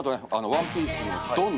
「ワンピース」の「ドン！」